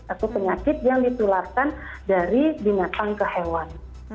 atau penyakit yang ditularkan dari binatang ke hewan